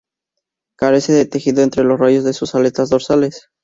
Carece de tejido entre los rayos de sus aletas dorsales.